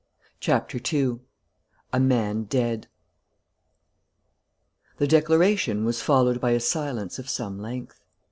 CHAPTER TWO A MAN DEAD The declaration was followed by a silence of some length.